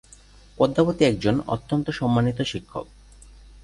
পদ্মাবতী একজন অত্যন্ত সম্মানিত শিক্ষক।